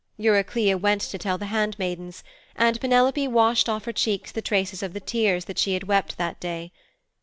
Eurycleia went to tell the handmaidens and Penelope washed off her cheeks the traces of the tears that she had wept that day.